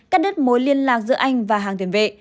cắt đứt mối liên lạc giữa anh và hàng tiền vệ